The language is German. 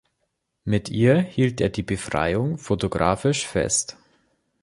Mit ihr hielt er die Befreiung fotografisch fest.